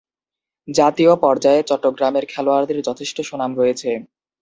জাতীয় পর্যায়ে চট্টগ্রামের খেলোয়াড়দের যথেষ্ট সুনাম রয়েছে।